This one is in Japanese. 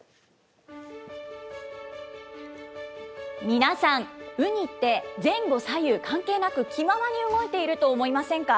皆さん、ウニって前後左右関係なく、気ままに動いていると思いませんか。